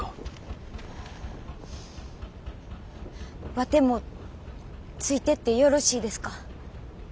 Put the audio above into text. ワテもついてってよろしいですか？